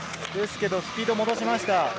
けれどスピードを戻しました。